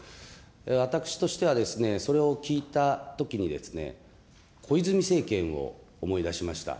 私としては、それを聞いたときにですね、小泉政権を思い出しました。